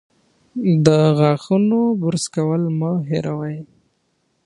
د غاښونو برس کول مه هېروئ.